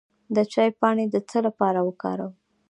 د چای پاڼې د څه لپاره وکاروم؟